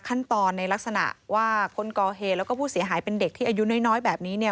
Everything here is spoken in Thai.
ขั้นตอนในลักษณะว่าคนก่อเหตุแล้วก็ผู้เสียหายเป็นเด็กที่อายุน้อยแบบนี้เนี่ย